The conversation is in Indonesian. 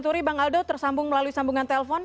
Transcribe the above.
turi bang aldo tersambung melalui sambungan telpon